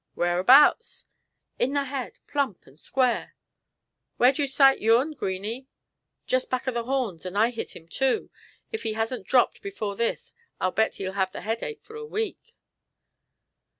"Whereabouts?" "In the head, plump and square." "Whar'd you sight yourn, Greeny?" "Just back the horns, and I hit him too. If he hasn't dropped before this, I'll bet he'll have the headache for a week."